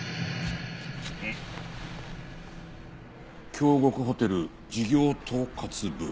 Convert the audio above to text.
「京極ホテル事業統括部」？